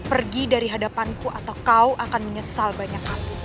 akan aku hadapi jurus kagak berbangga